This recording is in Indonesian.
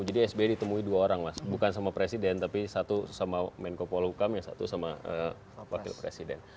jadi sby ditemui dua orang mas bukan sama presiden tapi satu sama menko polhukam satu sama wakil presiden